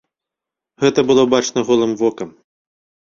Гэта было бачна голым вокам.